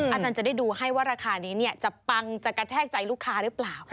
อาจารย์จะได้ดูให้ว่าราคานี้จะปังจะกระแทกใจลูกค้าหรือเปล่า